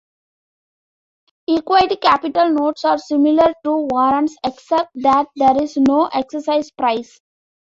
Equity capital notes are similar to warrants, except that there is no exercise price.